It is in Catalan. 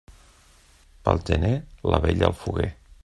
Pel gener, la vella al foguer.